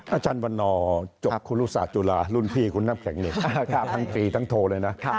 อาจารย์วันนอร์จบครูรุศาสตุลารุ่นพี่คุณน้ำแข็งเนี่ยทั้งตีทั้งโทรเลยนะ